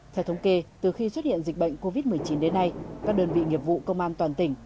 theo thống kê từ khi xuất hiện dịch bệnh covid một mươi chín đến nay các đơn vị nghiệp vụ công an toàn tỉnh